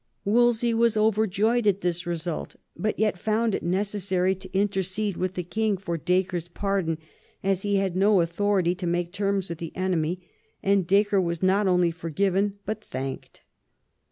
Wolsey was over joyed at this result, but yet found it necessary to inter cede with the king for Dacre's pardon, as he had no authority to make terms with the enemy ; and Dacre was not only forgiven, but thanked.